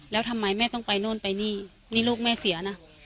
แล้วทำไมแม่ต้องไปโน่นไปนี่นี่ลูกแม่เสียนะ